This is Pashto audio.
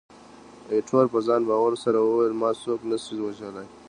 ایټور په ځان باور سره وویل، ما څوک نه شي وژلای.